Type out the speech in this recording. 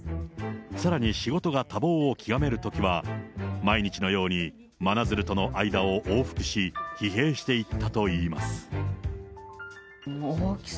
さらに、仕事が多忙を極めるときは、毎日のように真鶴との間を往復し、疲弊していったといいます。